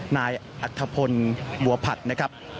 นายอัธพลบัวผัดนะครับ